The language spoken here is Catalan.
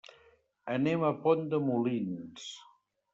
Anem a Pont de Molins.